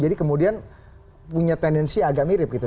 jadi kemudian punya tendensi agak mirip gitu ya